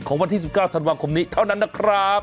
วันที่๑๙ธันวาคมนี้เท่านั้นนะครับ